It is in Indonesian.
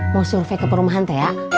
mau survei ke perumahan teh ya